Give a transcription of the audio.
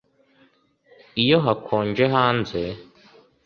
iyo hakonje hanze